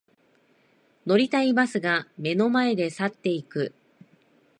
乗りたいバスが目の前で去っていく